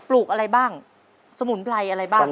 ลูกอะไรบ้างสมุนไพรอะไรบ้าง